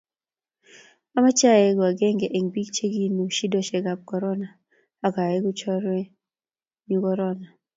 amache aengu akenge eng bik che kinu shidoshek ab korona ak aeku chenyorune korona